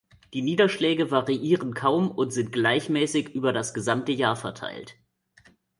Die Niederschläge variieren kaum und sind gleichmäßig über das gesamte Jahr verteilt.